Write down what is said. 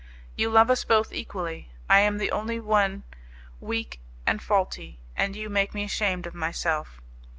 You love us both equally. I am the only one weak and faulty, and you make me ashamed of myself.